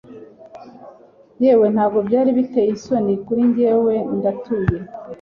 yewe ntabwo byari biteye isoni kuri njye, ndatuye